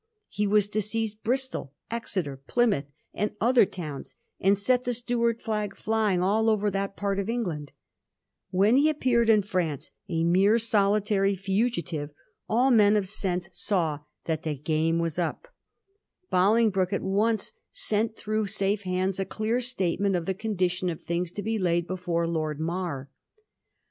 He was to seize Bristol, Exeter, Plymouth, and other towns, and set the Stuart flag flying all over that part of England. When he appeared in France, a mere solitary fugitive, all men of sense saw that the Digiti zed by Google 1716 'MISCHIEF THOU ART AFOOT.' 157 game was up. Bolingbroke at once sent through safe hands a clear statement of the condition of things, to be laid before Lord Mar.